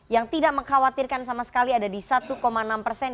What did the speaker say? yang tidak mengkhawatirkan sama sekali ada di satu enam persen